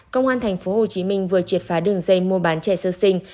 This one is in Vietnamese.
công an tp hcm vừa triệt phá đường dây mua bán trẻ sơ sinh